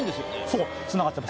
そうつながってます